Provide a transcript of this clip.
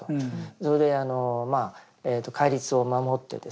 それで戒律を守ってですね